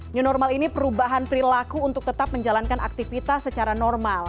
new normal ini perubahan perilaku untuk tetap menjalankan aktivitas secara normal